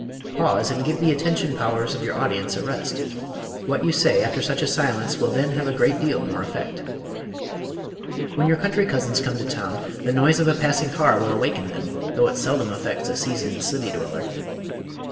Pause, and give the attention powers of your audience a rest. What you say after such a silence will then have a great deal more effect. When your country cousins come to town, the noise of a passing car will awaken them, though it seldom affects a seasoned city dweller.